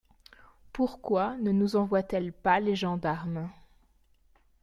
Pourquoi ne nous envoie-t-elle pas les gendarmes?